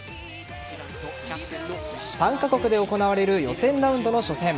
３カ国で行われる予選ラウンドの初戦。